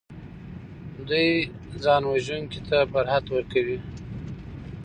دوی ځانوژونکي ته برائت ورکوي